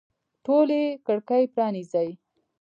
ټولي کړکۍ پرانیزئ